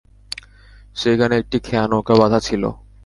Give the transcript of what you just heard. সেখানে একটি খেয়ানৌকা বাঁধা ছিল।